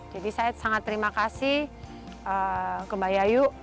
jadi saya sangat terima kasih ke mbak yayu